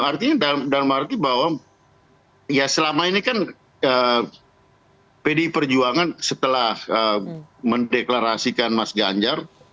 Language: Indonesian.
artinya dalam arti bahwa ya selama ini kan pdi perjuangan setelah mendeklarasikan mas ganjar